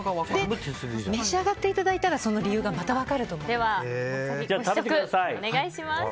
召し上がっていただいたらその理由がまた分かると思います。